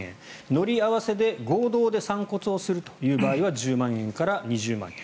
乗り合わせで合同で散骨をするという場合は１０万円から２０万円。